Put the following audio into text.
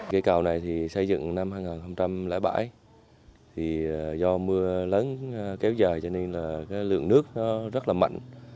cây cầu này xây dựng năm hai nghìn bảy do mưa lớn kéo dài cho nên lượng nước rất là mạnh